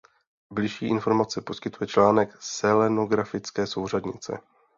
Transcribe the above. Bližší informace poskytuje článek selenografické souřadnice.